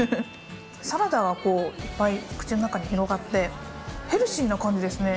サラダはこう、いっぱい、口の中に広がって、ヘルシーな感じですね。